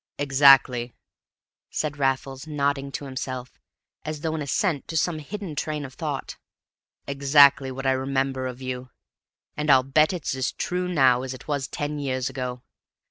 "Exactly," said Raffles, nodding to himself, as though in assent to some hidden train of thought; "exactly what I remember of you, and I'll bet it's as true now as it was ten years ago.